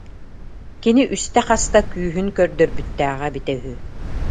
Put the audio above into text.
Кини үстэ хаста күүһүн көрдөрбүттээҕэ эбитэ үһү